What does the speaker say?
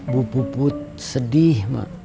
bu puput sedih mak